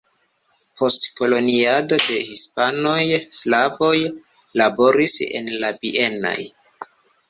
Post koloniado de hispanoj sklavoj laboris en la bienoj.